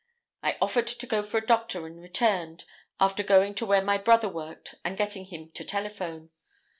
I offered to go for a doctor and returned, after going to where my brother worked and getting him to telephone.